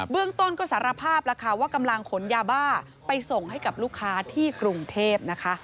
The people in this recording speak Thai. เรื่องต้นก็สารภาพแล้วค่ะว่ากำลังขนยาบ้าไปส่งให้กับลูกค้าที่กรุงเทพนะคะ